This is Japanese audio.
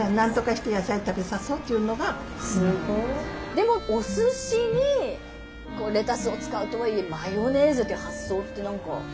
でもおすしにレタスを使うとはいえマヨネーズっていう発想って何かね